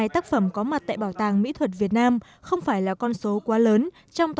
sáu mươi hai tác phẩm có mặt tại bảo tàng mỹ thuật việt nam không phải là con số quá lớn